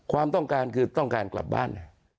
ความต้องการคือต้องการกลับบ้าน